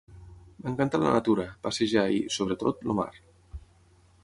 M'encanta la natura, passejar i, sobretot, el mar.